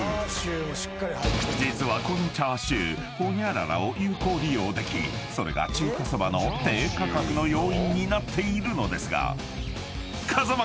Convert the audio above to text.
［実はこのチャーシューホニャララを有効利用できそれが中華そばの低価格の要因になっているのですが風間